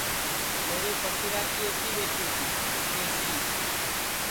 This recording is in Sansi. لیہرو پھکیرا کی ایکی ٻیٹی تی کیسری